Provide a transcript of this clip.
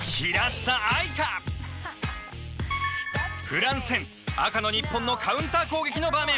フランス戦赤の日本のカウンター攻撃の場面。